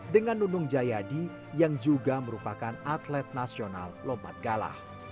dan diva renata jayadi yang juga merupakan atlet nasional lompat galah